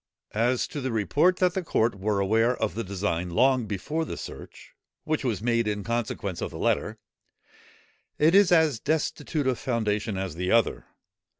As to the report that the court were aware of the design long before the search, which was made in consequence of the letter, it is as destitute of foundation as the other.